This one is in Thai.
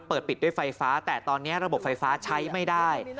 ปิดด้วยไฟฟ้าแต่ตอนนี้ระบบไฟฟ้าใช้ไม่ได้